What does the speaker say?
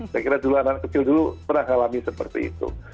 saya kira dulu anak kecil dulu pernah ngalamin seperti itu